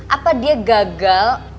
apa dia gagal